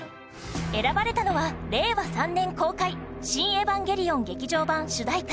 選ばれたのは、令和３年公開『シン・エヴァンゲリオン劇場版』主題歌